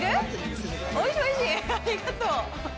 ありがとう。